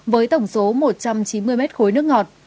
với tổng số một trăm chín mươi mét khối nước ngọt